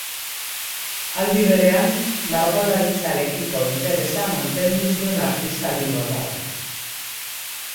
Aldi berean, margolaritzarekiko interesa mantendu zuen artista bilbotarrak.